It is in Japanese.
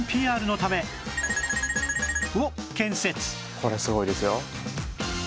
「これすごいですよ」